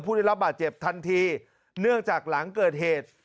ได้รับบาดเจ็บทันทีเนื่องจากหลังเกิดเหตุ